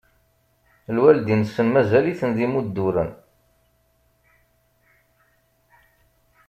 Lwaldin-nsen mazal-iten d imudduren.